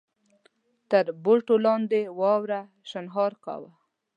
تر بوټو لاندې واورې شڼهار کاوه.